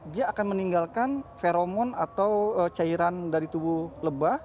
dia akan meninggalkan feromon atau cairan dari tubuh lebah